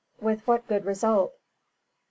With what good result? A.